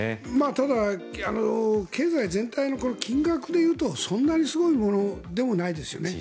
ただ経済全体の金額でいうとそんなにすごいものでもないですよね。